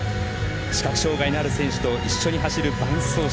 視覚障がいのある選手と一緒に走る伴走者。